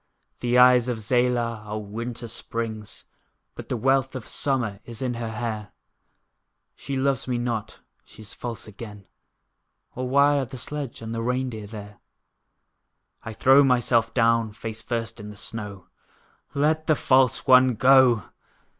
The eyes of Zela are winter springs! But the wealth of summer is in her hair; But she loves me not, she is false again, Or why are the sledge and the rein deer there? I throw myself down, face first in the snow: "Let the false one go!"